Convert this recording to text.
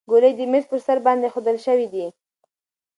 ګولۍ د میز په سر باندې ایښودل شوې دي.